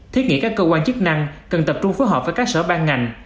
thiết nghĩ các cơ quan chức năng cần tập trung phối hợp với các sở ban ngành